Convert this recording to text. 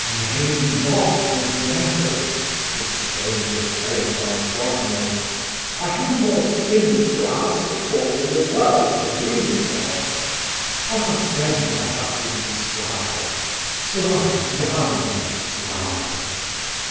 'Name not the devil (exclaimed the terrified Frogmore), I have more sins to answer for than the world dreams of. Ah! friend, I have been sly sly damn'd sly!